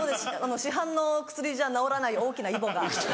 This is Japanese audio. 市販の薬じゃ治らない大きないぼが。